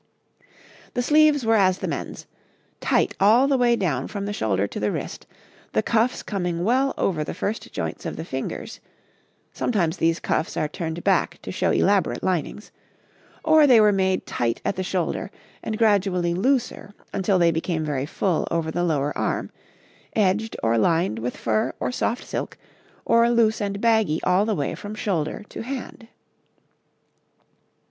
The sleeves were as the men's tight all the way down from the shoulder to the wrist, the cuffs coming well over the first joints of the fingers (sometimes these cuffs are turned back to show elaborate linings), or they were made tight at the shoulder and gradually looser until they became very full over the lower arm, edged or lined with fur or soft silk, or loose and baggy all the way from shoulder to hand.